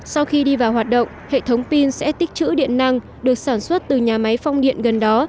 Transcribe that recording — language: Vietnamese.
sau khi đi vào hoạt động hệ thống pin sẽ tích chữ điện năng được sản xuất từ nhà máy phong điện gần đó